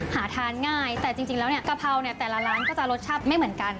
หาทานง่ายแต่จริงแล้วเนี่ยกะเพราเนี่ยแต่ละร้านก็จะรสชาติไม่เหมือนกัน